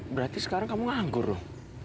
berarti sekarang kamu ngangkur ruh